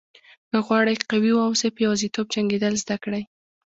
که غواړئ قوي واوسئ په یوازیتوب جنګېدل زده کړئ.